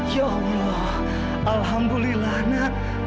ya allah alhamdulillah nak